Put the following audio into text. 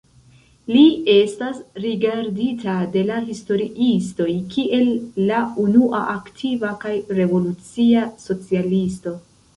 Li estas rigardita de la historiistoj kiel la unua aktiva kaj revolucia socialisto.